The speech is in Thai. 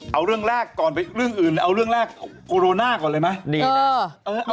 เอาเรื่องแรกก่อนไปเรื่องอื่นเอาเรื่องแรกโคโรนาก่อนเลยไหมดีนะ